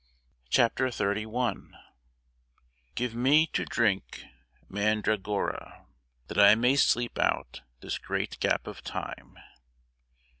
CHAPTER XXXI Give me to drink mandragora, That I may sleep out this great gap of time.